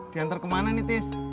diantar kemana nih tis